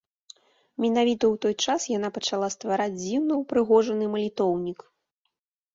Менавіта ў той час яна пачала ствараць дзіўна ўпрыгожаны малітоўнік.